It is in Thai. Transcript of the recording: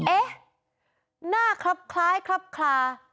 เอ๊ะหน้าคลับคล้ายคลับคลา